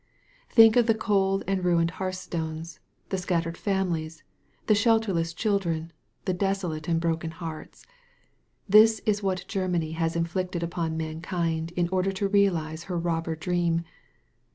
Think of the cold and ruined hearthstones, the scattered families, the shelterless children, the desolate and broken hearts. This is what Germany has inflicted upon mankind in or der to realize her robber dream